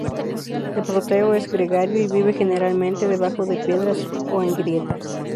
El proteo es gregario, y vive generalmente debajo de piedras o en grietas.